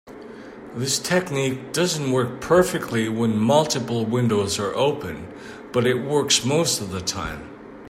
This technique doesn't work perfectly when multiple windows are open, but it works most of the time.